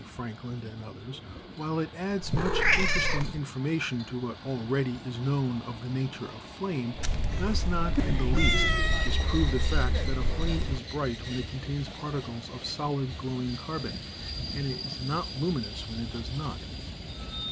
Frankland and others, while it adds much interesting information to what already is known of the nature of flame, does not in the least disprove the fact that a flame is bright when it contains particles of solid glowing car bon, and it is not luminous when it does not.